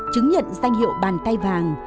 chứng nhận danh hiệu bàn tay vàng